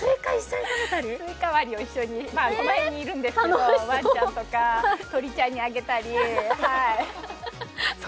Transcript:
すいか割りを一緒に、この辺にいるんですけど、わんちゃんとか鳥ちゃんにあげたり。